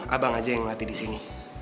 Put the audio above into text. abang aja yang ngelatih disini